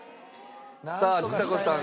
さあちさ子さん